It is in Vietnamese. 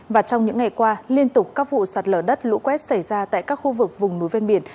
và trong những ngày qua liên tục các vụ sạt lở đất lũ quét xảy ra tại các khu vực vùng núi ven biển